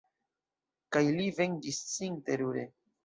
Kaj li venĝis sin terure.